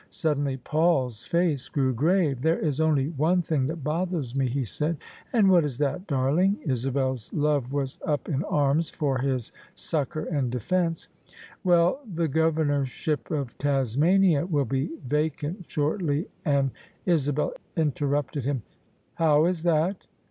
Suddenly Paul's face grew grave. " There is only one thing that bothers me," he said. "And what is that, darling?" Isabel's love was up in arms for his succour and defence. "Well, the Governorship of Tasmania will be vacant shortly and " Isabel interrupted him. "How is that?